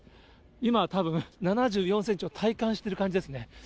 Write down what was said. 今、たぶん７４センチを体感してる感じですね。